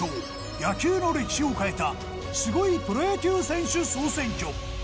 野球の歴史を変えたすごいプロ野球選手総選挙。